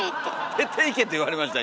「出ていけ」って言われました？